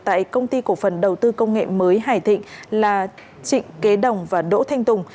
tại công ty cổ phần đầu tư công nghệ mới hải thịnh là trịnh kế đồng và đỗ thanh tùng